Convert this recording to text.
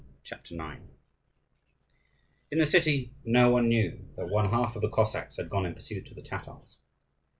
CHAPTER IX In the city, no one knew that one half of the Cossacks had gone in pursuit of the Tatars.